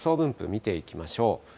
見ていきましょう。